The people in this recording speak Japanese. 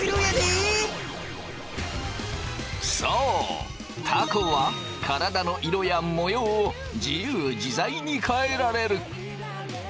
そうたこは体の色や模様を自由自在に変えられる。